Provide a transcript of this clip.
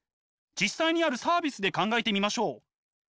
実際にあるサービスで考えてみましょう。